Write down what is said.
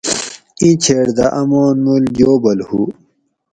ایں چھیٹ دہ آمان مول جوبل ہو